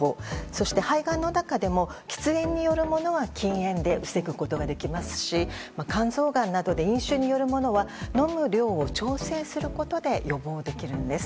そして、肺がんの中でも喫煙によるものは禁煙で防ぐことができますし肝臓がんなどで飲酒によるものは飲む量を調整することで予防できるんです。